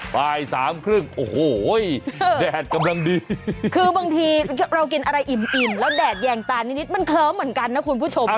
ปลาย๓๓๐โอ้โหแดดกำลังดีคือบางทีเรากินอะไรอิ่มอิ่มแล้วแดดแย่งตานิดมันเคล้อเหมือนกันนะคุณผู้ชมนะ